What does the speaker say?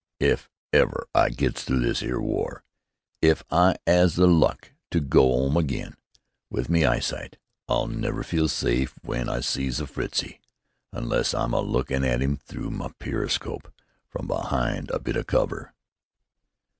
If ever I gets through this 'ere war; if I 'as the luck to go 'ome again, with me eyesight, I'll never feel syfe w'en I sees a Fritzie, unless I'm a lookin' at 'im through me periscope from be'ind a bit o' cover."